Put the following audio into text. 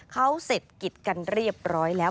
เขาเสร็จกิจกันเรียบร้อยแล้ว